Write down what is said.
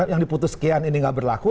yang diputus sekian ini nggak berlaku